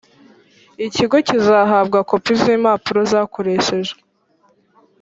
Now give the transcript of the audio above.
ikigo cyizahabwa kopi z impapuro zakoreshejwe